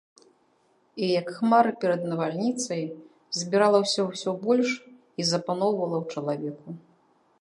І як хмары перад навальніцай збіралася ўсё больш і запаноўвала ў чалавеку.